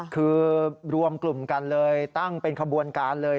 คือรวมกลุ่มกันเลยตั้งเป็นขบวนการเลย